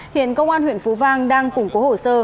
hiện công an huyện phú vang đang củng cố hồ sơ